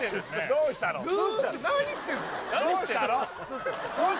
どうしたのよ？